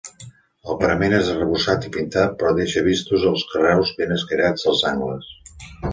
El parament és arrebossat i pintat però deixa vistos els carreus ben escairats dels angles.